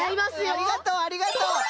ありがとうありがとう！